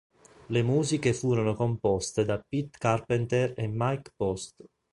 Le musiche furono composte da Pete Carpenter e Mike Post.